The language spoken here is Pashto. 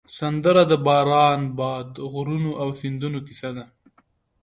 سندره د باران، باد، غرونو او سیندونو کیسه ده